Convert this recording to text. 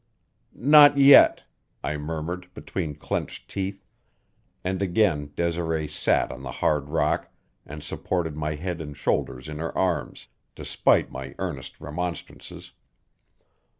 "Not yet," I murmured between clenched teeth, and again Desiree sat on the hard rock and supported my head and shoulders in her arms, despite my earnest remonstrances.